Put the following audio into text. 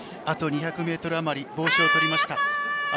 あと２００ｍ余り帽子を取りました。